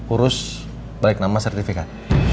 urus balik nama sertifikat